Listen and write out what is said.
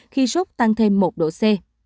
khi sốt tăng thêm một độ c